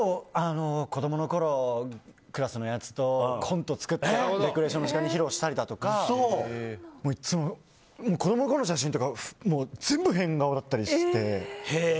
子供のころ、クラスのやつとコント作って一緒に披露したりだとかいつも子供のころの写真とか全部変顔だったりして。